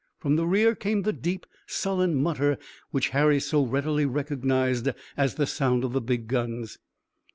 From the rear came the deep, sullen mutter which Harry so readily recognized as the sound of the big guns.